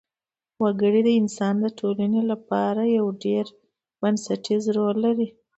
وګړي د افغانستان د ټولنې لپاره یو ډېر بنسټيز رول لري.